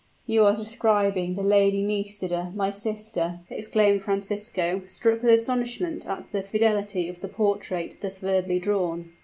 you are describing the Lady Nisida, my sister!" exclaimed Francisco, struck with astonishment at the fidelity of the portrait thus verbally drawn.